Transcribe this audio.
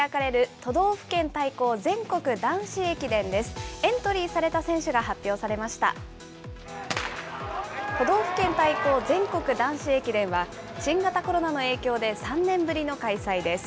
都道府県対抗全国男子駅伝は新型コロナの影響で３年ぶりの開催です。